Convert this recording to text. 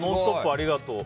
ありがとう。